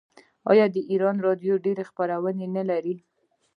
آیا د ایران راډیو ډیرې خپرونې نلري؟